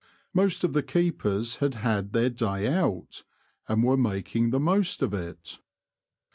Most of the keepers had had their day out, and were making the most of it.